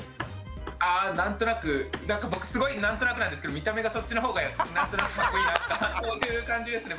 あ何となく僕すごい何となくなんですけど見た目がそっちのほうが何となくかっこいいなとかそういう感じですね